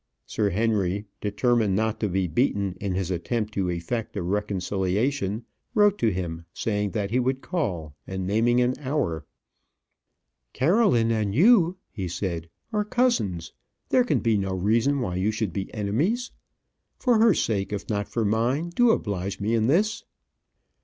Sir Henry, determined not to be beaten in his attempt to effect a reconciliation, wrote to him, saying that he would call, and naming an hour. "Caroline and you," he said, "are cousins; there can be no reason why you should be enemies. For her sake, if not for mine, do oblige me in this."